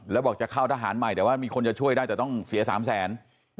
แล้วบอกจะเข้าทหารใหม่แต่ว่ามีคนจะช่วยได้แต่ต้องเสีย๓แสน